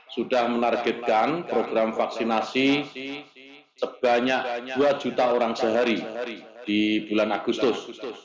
sudah menargetkan program vaksinasi sebanyak dua juta orang sehari di bulan agustus